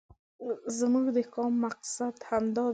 زموږ د کالم مقصد همدا دی.